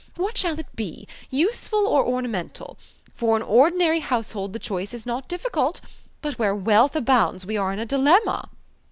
What shall it be? useful or ornamental. For an ordinary household the choice is not difficult. But where wealth abounds we are in a dilemma."